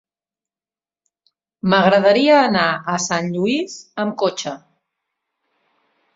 M'agradaria anar a Sant Lluís amb cotxe.